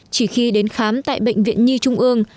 chỉ khi đến khám tại bệnh viện nhi trung ương